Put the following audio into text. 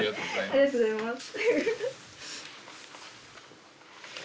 ありがとうございます。